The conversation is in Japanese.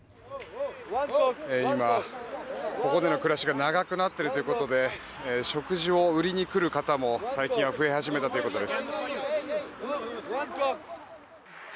今、ここでの暮らしが長くなっているということで食事を売りに来る方も、最近は増え始めたということです。